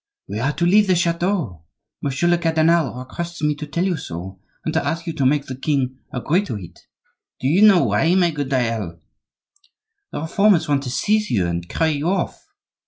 "We are to leave the chateau; Monsieur le cardinal requests me to tell you so, and to ask you to make the king agree to it. "Do you know why, my good Dayelle?" "The Reformers want to seize you and carry you off."